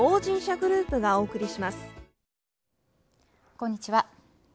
こんにちは。